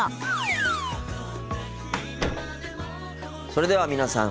それでは皆さん